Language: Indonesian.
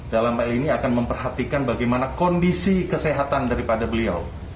dalam hal ini akan memperhatikan bagaimana kondisi kesehatan daripada beliau